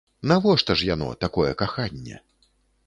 Навошта ж яно, такое каханне?